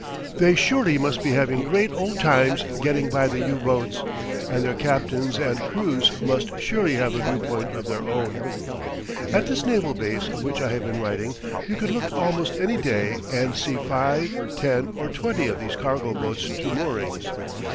They surely must be having great old times getting by the U boats, and their captains and crews must surely have a view point of their own! At this naval base of which I have been writing, you could look almost any day and see 5, 10, or 20 of these cargo boats to moorings.